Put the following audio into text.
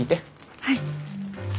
はい。